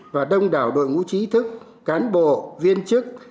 và đông đảo đội ngũ trí thức cán bộ viên chức